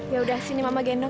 ya udah sini mama gendong